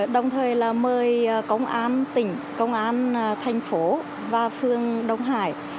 đồng thời là mời công an tỉnh công an thành phố và phương đông hải